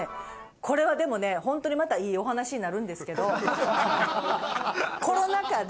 これはでもねホントにまたいいお話になるんですけど。